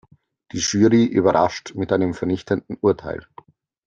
Die Jury überrascht mit einem vernichtenden Urteil.